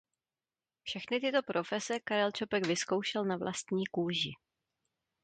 Všechny tyto profese Karel Čapek vyzkoušel na vlastní kůži.